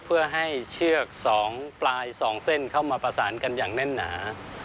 เพื่อให้เชือก๒ปลาย๒เส้นเข้ามาประสานกันอย่างแน่นหนา